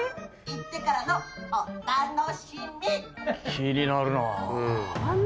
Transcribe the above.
⁉気になるなぁ。